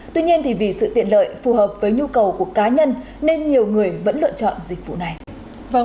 tuy nhiên vì sự tiện lợi phù hợp với nhu cầu của cá nhân nên nhiều người vẫn lựa chọn dịch vụ này